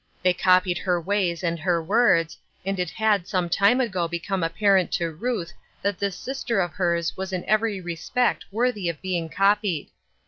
They copied her ways and her words, and it had some time ago become appar ent to Ruth that this sister of hers was in every respect worthy of being copied.